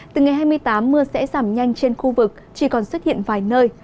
từ ngày hai mươi tám mưa sẽ giảm nhanh trên khu vực chỉ còn xuất hiện vài nơi